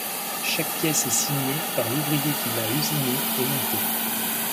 Chaque pièce est signée par l'ouvrier qui l'a usinée et montée.